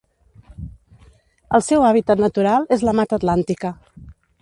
El seu hàbitat natural és la Mata Atlàntica.